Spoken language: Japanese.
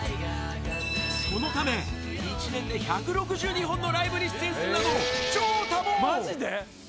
そのため、１年で１６２本のライブに出演するなど、超多忙。